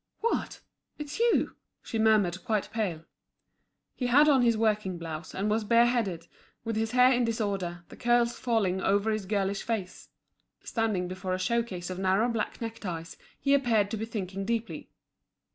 "What! it's you?" she murmured, quite pale. He had on his working blouse, and was bare headed, with his hair in disorder, the curls falling over his girlish face. Standing before a show case of narrow black neckties, he appeared to be thinking deeply.